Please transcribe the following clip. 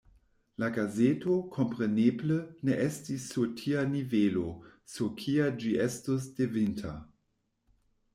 La gazeto, kompreneble, ne estis sur tia nivelo, sur kia ĝi estus devinta.